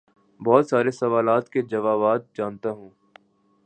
بہت سارے سوالات کے جوابات جانتا ہوں